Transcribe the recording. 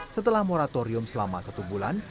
setelah moratorium selama satu bulan